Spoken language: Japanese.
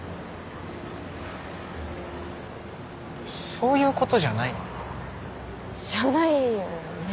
そういうことじゃないの？じゃないよね？